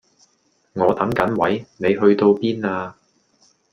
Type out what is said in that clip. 我等緊位，你去到邊呀